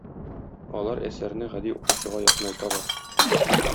Алар әсәрне гади укучыга якынайталар.